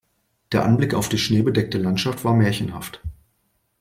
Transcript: Der Anblick auf die schneebedeckte Landschaft war märchenhaft.